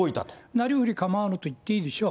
なりふり構わぬといっていいでしょう。